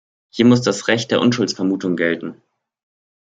Hier muss das Recht der Unschuldsvermutung gelten.